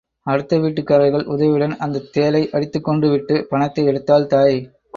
அடுத்த வீட்டுக்காரர்கள் உதவியுடன் அந்தத் தேளை அடித்துக் கொன்று விட்டு, பணத்தை எடுத்தாள் தாய்.